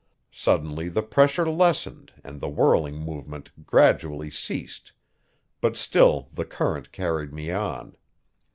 Suddenly the pressure lessened and the whirling movement gradually ceased, but still the current carried me on.